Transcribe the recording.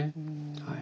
はい。